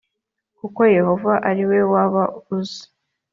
kuko yehova ari we wab uze